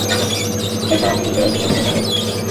শেষ্যরাতের দিকে একটু ঘুম এল।